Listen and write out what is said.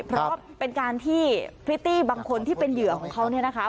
เพราะเป็นการที่พริตตี้บางคนที่เป็นเหยื่อของเขาเนี่ยนะคะ